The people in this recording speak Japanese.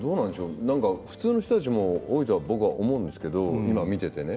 普通の人たちも多いと僕も思うんですけど今見ていてね。